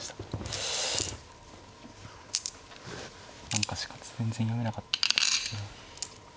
何か死活全然読めなかったですね。